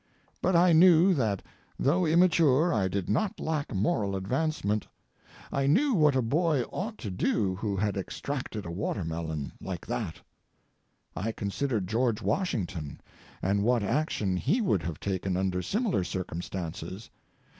But I knew that though immature I did not lack moral advancement. I knew what a boy ought to do who had extracted a watermelon—like that. I considered George Washington, and what action he would have taken under similar circumstances.